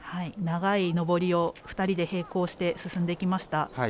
長い上りを２人で並行して進んでいきました。